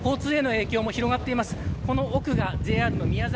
交通への影響も広がってます。